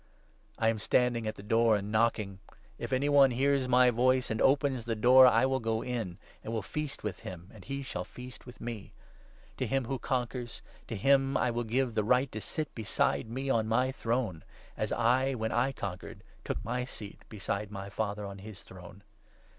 I am standing at the door and knocking ! If 20 any one hears my voice and opens the door, I will go in, and will feast with him, and he shall feast with me. To him 21 who conquers — to him I will give the right to sit beside me on my throne, as I, when I conquered, took my seat beside my Father on his throne.